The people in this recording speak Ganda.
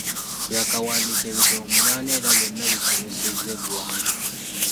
Yaakawandiika ebitabo munaana era byonna bisomesezza eggwanga.